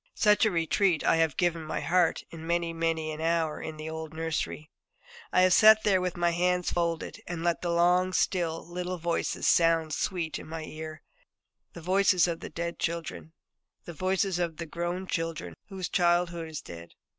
Such a 'retreat' I have given my heart in many and many an hour in the old nurseries. I have sat there with my hands folded, and let the long still little voices sound sweet in my ear the voices of the dead children, the voices of the grown children whose childhood is dead.